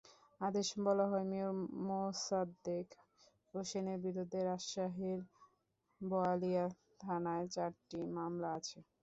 আদেশে বলা হয়, মেয়র মোসাদ্দেক হোসেনের বিরুদ্ধে রাজশাহীর বোয়ালিয়া থানায় চারটি মামলা আছে।